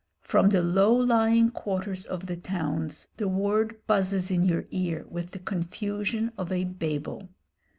From the low lying quarters of the towns the word buzzes in your ear with the confusion of a Babel.